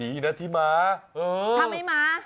ดีนะที่มาทำไมมา